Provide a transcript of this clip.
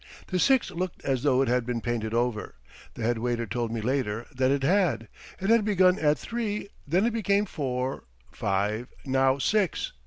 The Six looked as though it had been painted over. The head waiter told me later that it had. It had begun at three, then it became four five now six.